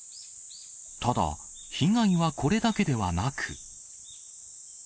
ただ、被害はこれだけではなく。